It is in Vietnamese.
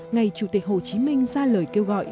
ngày chủ tịch hồ chí minh ra lời kêu gọi